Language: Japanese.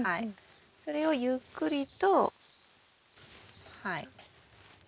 それをゆっくりとはい。